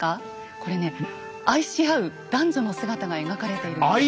これね愛し合う男女の姿が描かれているんですよ。